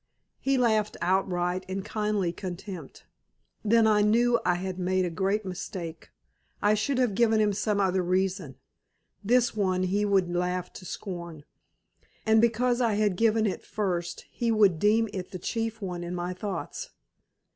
He laughed outright in kindly contempt. Then I knew I had made a great mistake. I should have given him some other reason. This one he would laugh to scorn. And because I had given it first he would deem it the chief one in my thoughts.